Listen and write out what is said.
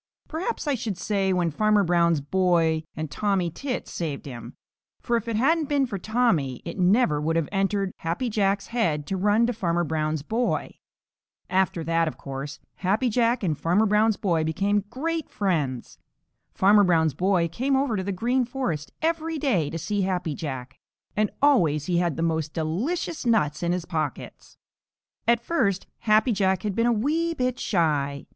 Perhaps I should say when Farmer Brown's boy and Tommy Tit saved him, for if it hadn't been for Tommy, it never would have entered Happy Jack's head to run to Farmer Brown's boy. After that, of course, Happy Jack and Farmer Brown's boy became great friends. Farmer Brown's boy came over to the Green Forest every day to see Happy Jack, and always he had the most delicious nuts in his pockets. At first Happy Jack had been a wee bit shy.